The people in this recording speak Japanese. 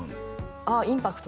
ああインパクト？